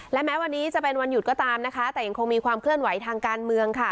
และแม้วันนี้จะเป็นวันหยุดก็ตามนะคะแต่ยังคงมีความเคลื่อนไหวทางการเมืองค่ะ